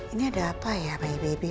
ini ada apa ya my baby